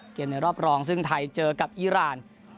ในรอบรองซึ่งไทยเจอกับอีราน